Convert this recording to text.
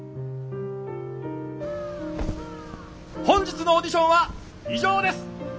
本日のオーディションは以上です！